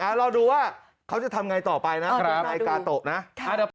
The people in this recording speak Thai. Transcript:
เอารอดูว่าเขาจะทำยังไงต่อไปนะในกาโตนะครับ